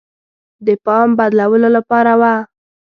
د پام بدلولو لپاره وه.